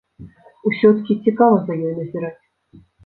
Усё-ткі цікава за ёй назіраць.